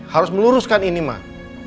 harus meluruskan ini mak